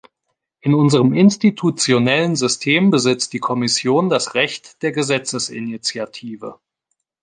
In unserem institutionellen System besitzt die Kommission das Recht der Gesetzesinitiative.